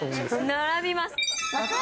並びます。